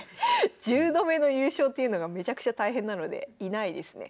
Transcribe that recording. １０度目の優勝っていうのがめちゃくちゃ大変なのでいないですね。